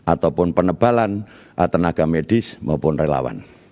ataupun penebalan tenaga medis maupun relawan